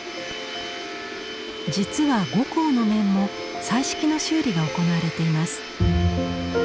実は呉公の面も彩色の修理が行われています。